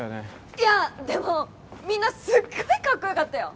いやでもみんなすっごいカッコよかったよ